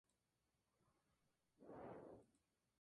Con esta cena finaliza la fiesta hasta el año siguiente.